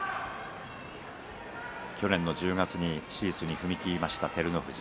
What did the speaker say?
去年の１０月に手術に踏み切った照ノ富士。